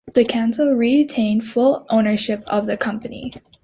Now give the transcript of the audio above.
The council retained full ownership of the company.